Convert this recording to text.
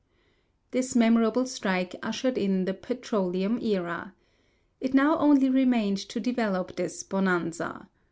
This memorable strike ushered in the petroleum era. It now only remained to develop this "bonanza."